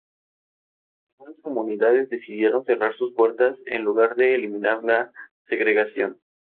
Algunas comunidades decidieron cerrar sus puertas en lugar de eliminar la segregación.